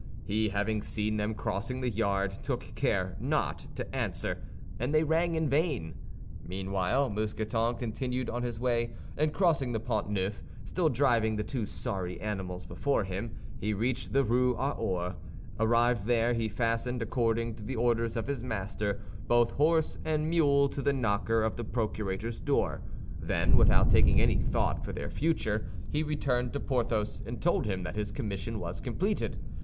He, having seen them crossing the yard, took care not to answer, and they rang in vain. Meanwhile Mousqueton continued on his way, and crossing the Pont Neuf, still driving the two sorry animals before him, he reached the Rue aux Ours. Arrived there, he fastened, according to the orders of his master, both horse and mule to the knocker of the procurator's door; then, without taking any thought for their future, he returned to Porthos, and told him that his commission was completed.